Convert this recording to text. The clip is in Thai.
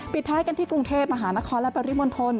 ท้ายกันที่กรุงเทพมหานครและปริมณฑล